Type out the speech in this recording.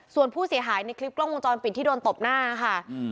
ส่วนผู้เสียหายในคลิปกล้องวงจรปิดที่โดนตบหน้าค่ะ